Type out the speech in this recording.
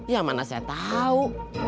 ya mana saya tau